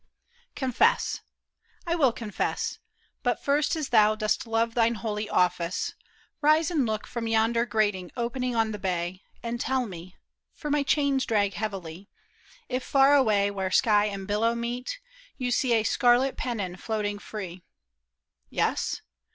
ONFESS ! I will confess ; but first as thou Dost love thine holy office, rise and look I From yonder grating opening on the bay, And tell me — for my chains drag heavily — If far away where sky and billow meet. You see a scarlet pennon floating free. Yes